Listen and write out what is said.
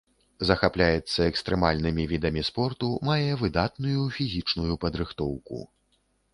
Захапляецца экстрэмальнымі відамі спорту, мае выдатную фізічную падрыхтоўку.